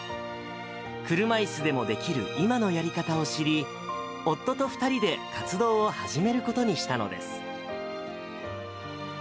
車いすでもできる今のやり方を知り、夫と２人で活動を始めることにしたのです。